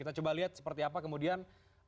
kita coba lihat seperti apa kemudian